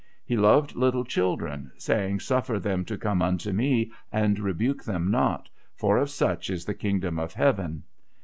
He loved little children, saying. Suffer them to come unto Me and rebuke them not, for of such is the kingdom of heaven.